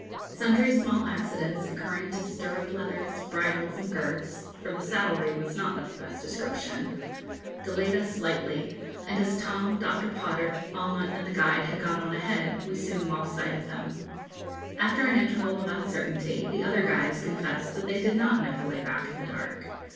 Sundry small accidents occurring to stirrup leathers, bridles, and girths for the saddlery was not of the best description delayed us slightly, and as Tom, Dr. Potter, Allnutt, and the guide had got on ahead, we soon lost sight of them. After an interval of uncertainty, the other guides confessed that they did not know the way back in the dark.